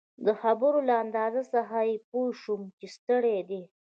د خبرو له انداز څخه يې پوه شوم چي ستړی دی.